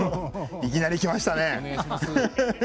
いきなりきましたね。